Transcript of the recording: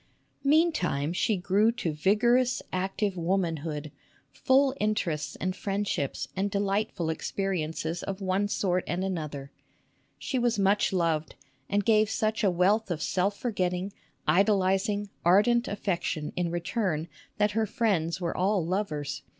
[eantime she grew to vigorous, active womanhood, full interests and friendships and delightful experiences >f one sort and another. She was much loved, and ive such a wealth of self forgetting, idolizing, ardent affection in return that her friends were all lovers.